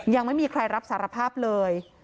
ยังไม่มีใครรับสารภาพเลย